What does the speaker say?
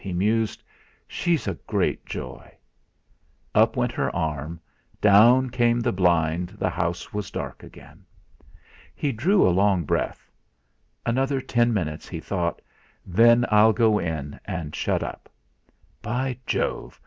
he mused; 'she's a great joy!' Up went her arm, down came the blind the house was dark again. He drew a long breath. 'Another ten minutes,' he thought, 'then I'll go in and shut up. By Jove!